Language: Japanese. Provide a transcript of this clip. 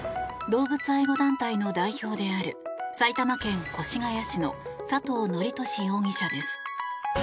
動物愛護団体の代表である埼玉県越谷市の佐藤徳壽容疑者です。